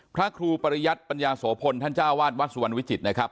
ครูปริยัติปัญญาโสพลท่านเจ้าวาดวัดสุวรรณวิจิตรนะครับ